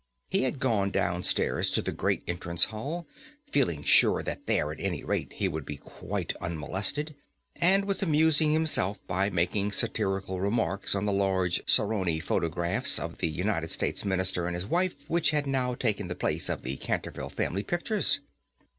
He had gone down stairs to the great entrance hall, feeling sure that there, at any rate, he would be quite unmolested, and was amusing himself by making satirical remarks on the large Saroni photographs of the United States Minister and his wife which had now taken the place of the Canterville family pictures.